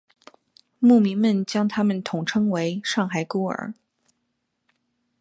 牧民们将他们统称为上海孤儿。